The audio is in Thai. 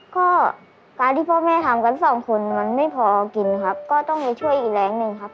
ก็การที่พ่อแม่ทำกันสองคนมันไม่พอกินครับก็ต้องไปช่วยอีกแรงหนึ่งครับ